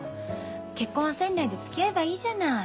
結婚焦んないでつきあえばいいじゃない。